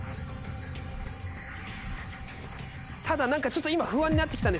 ただ何かちょっと今不安になって来た。